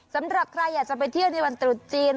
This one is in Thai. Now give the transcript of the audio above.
สำหรับใครอยากจะไปเที่ยวในวันตรุษจีน